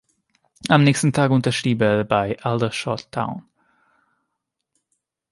Am nächsten Tag unterschrieb er bei Aldershot Town.